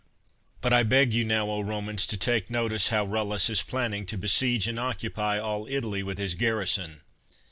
But I beg you now, O Romans, to take notice how EuUus is planning to besiege and occupy all Italy with his garrison.